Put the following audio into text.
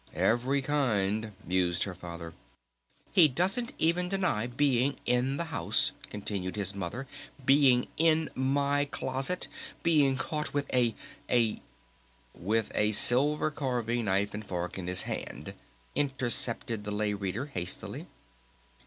"Every ... kind," mused her Father. "He doesn't even deny being in the house," continued her Mother, "being in my closet, ... being caught with a a " "With a silver carving knife and fork in his hand," intercepted the Lay Reader hastily.